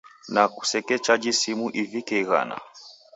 Na kusekechaji simu ivike ighana.